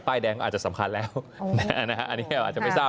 ป้ายแดงอาจจะสำคัญแล้วอันนี้อาจจะไม่ทราบ